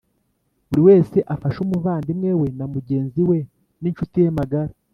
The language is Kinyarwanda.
buri wese afashe umuvandimwe we na mugenzi we n incuti ye magara